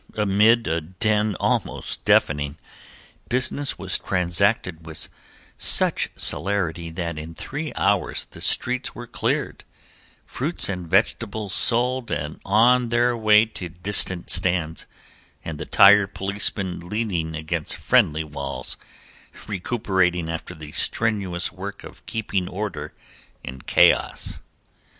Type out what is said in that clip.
Amid a din almost deafening business was transacted with such celerity that in three hours the streets were cleared, fruits and vegetables sold and on their way to distant stands, and the tired policemen leaning against friendly walls, recuperating after the strenuous work of keeping order in chaos.